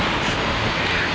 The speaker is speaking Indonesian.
nanti malem gue kembali